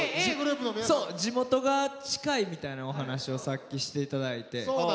地元が近いみたいなお話をさっきして頂いて。